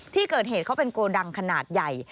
ที่เกิดเหตุเขาเป็นโกดังขนาดใหญ่